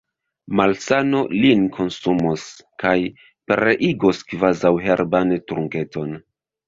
malsano lin konsumos kaj pereigos, kvazaŭ herban trunketon!